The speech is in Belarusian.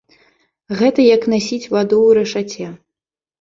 Гэта як насіць ваду ў рэшаце.